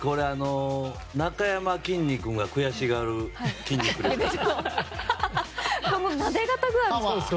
なかやまきんに君が悔しがる筋肉ですね。